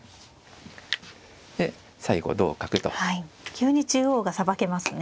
急に中央がさばけますね。